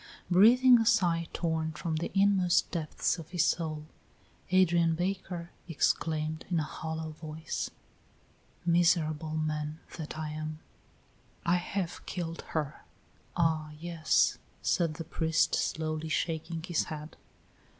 Breathing a sigh torn from the inmost depths of his soul, Adrian Baker exclaimed in a hollow voice: "Miserable man that I am! I have killed her!" "Ah, yes," said the priest, slowly shaking his head.